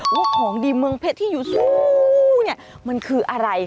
ว่าของดีเมืองเพชรที่อยู่สูงเนี่ยมันคืออะไร